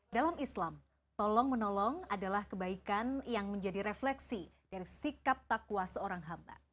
dalam islam tolong menolong adalah kebaikan yang menjadi refleksi dari sikap takwa seorang hamba